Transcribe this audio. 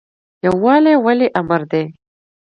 یووالی ولې امر دی؟